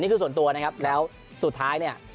ส่วนตัวนะครับแล้วสุดท้ายเนี่ย